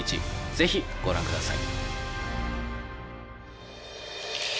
是非ご覧ください。